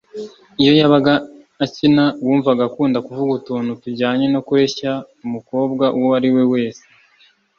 Iyo yabaga akina wumvaga akunda kuvuga utuntu tujyanye no kureshya umukobwa uwo ariwe wese